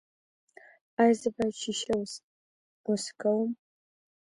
ایا زه باید شیشه وڅکوم؟